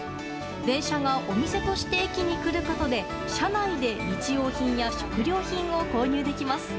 電車がお店として駅に来ることで車内で日用品や食料品を購入できます。